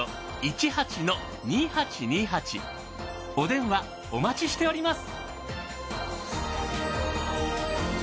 お電話お待ちしております。